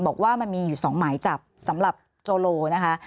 บอกว่ามันมีอยู่๒หมายจับสำหรับโจโลนะคะ